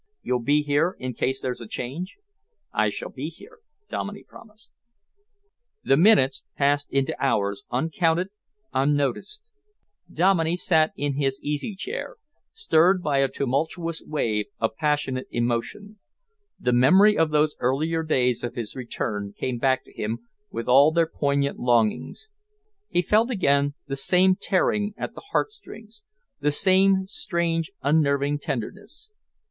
You'll be here in case there's a change?" "I shall be here," Dominey promised. The minutes passed into hours, uncounted, unnoticed. Dominey sat in his easy chair, stirred by a tumultuous wave of passionate emotion. The memory of those earlier days of his return came back to him with all their poignant longings. He felt again the same tearing at the heart strings, the same strange, unnerving tenderness.